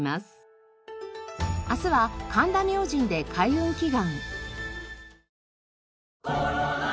明日は神田明神で開運祈願。